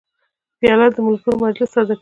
پیاله د ملګرو مجلس تازه کوي.